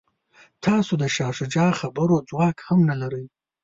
تاسو د شاه شجاع خبرو ځواک هم نه لرئ.